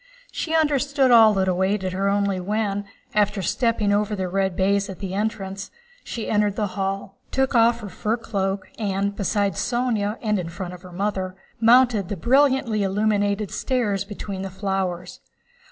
She understood all that awaited her only when, after stepping over the red baize at the entrance, she entered the hall, took off her fur cloak, and, beside Sónya and in front of her mother, mounted the brightly illuminated stairs between the flowers.